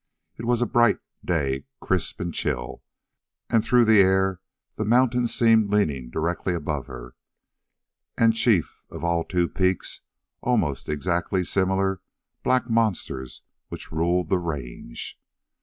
It was a bright day, crisp and chill, and through the clear air the mountains seemed leaning directly above her, and chief of all two peaks, almost exactly similar, black monsters which ruled the range.